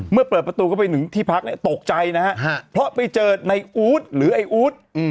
เมื่อเปิดประตูเข้าไปถึงที่พักเนี่ยตกใจนะฮะเพราะไปเจอในอู๊ดหรือไอ้อู๊ด